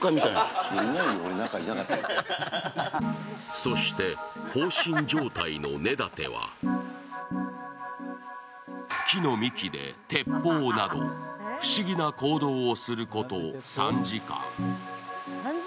そして放心状態の根建は木の幹でテッポウなど不思議な行動をすることを３時間。